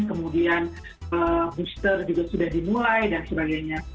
kemudian booster juga sudah dimulai dan sebagainya